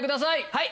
はい！